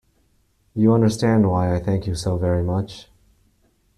You understand why I thank you so very much?